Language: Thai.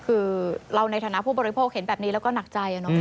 คือเราในฐานะผู้บริโภคเห็นแบบนี้แล้วก็หนักใจ